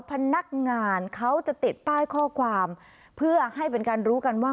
พนักงานเขาจะติดป้ายข้อความเพื่อให้เป็นการรู้กันว่า